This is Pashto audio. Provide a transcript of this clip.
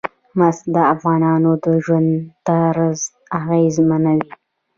مس د افغانانو د ژوند طرز اغېزمنوي.